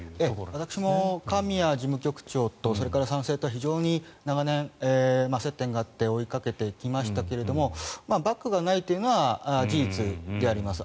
私も神谷事務局長とそれから参政党は非常に長年接点があって追いかけてきましたけどバックがないというのは事実であります。